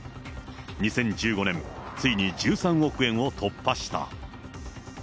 ２０１５年、ついに１３億円を突破した。